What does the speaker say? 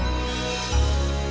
saya benar benar suka produserku